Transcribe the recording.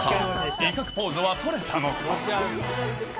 威嚇ポーズは撮れたのか？